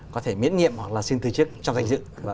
có thể miễn nhiệm hoặc là xin từ chức cho gạch dự